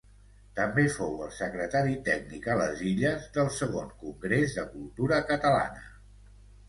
També fou el secretari tècnic a les Illes del Segon Congrés de Cultura Catalana.